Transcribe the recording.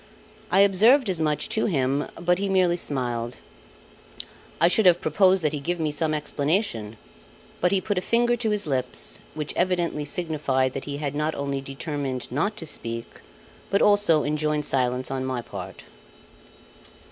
I observed as much to him, but he merely smiled. I should have proposed that he give me some explanation; but he put a finger to his lips, which evidently signified that he had not only determined not to speak, but also enjoined silence on my part.